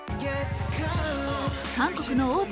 韓国の大手